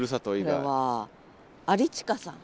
有近さん。